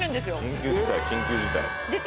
緊急事態緊急事態。